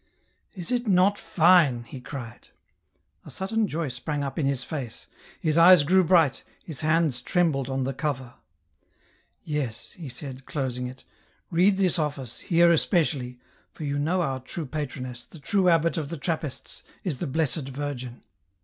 " Is it not fine ?" he cried. A sudden joy sprang up in his face ; his eyes grew bright, his hands trembled on the cover. " Yes," he said, closing it, " read this office, here especially, for you know our true patroness, the true Abbot of the Trappists, is the Blessed Virgin